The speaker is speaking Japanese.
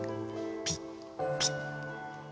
ピッピッ。